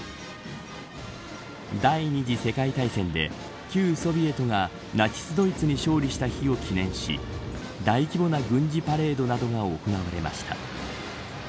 第２次世界大戦で旧ソビエトがナチス・ドイツに勝利した日を記念し大規模な軍事パレードなどが行われました。